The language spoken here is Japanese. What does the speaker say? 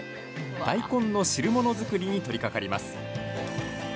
大根の汁物作りに取りかかります。